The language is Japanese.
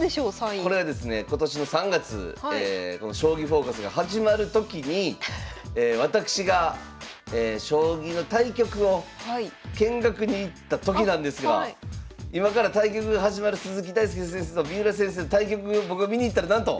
これはですね今年の３月この「将棋フォーカス」が始まる時に私が将棋の対局を見学に行った時なんですが今から対局が始まる鈴木大介先生と三浦先生の対局を僕が見に行ったらなんと！